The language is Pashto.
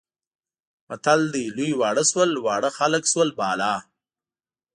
متل دی لوی واړه شول، واړه خلک شول بالا.